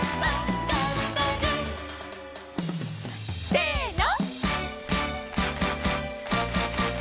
せの！